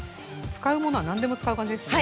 使うものは何でも使う感じですね。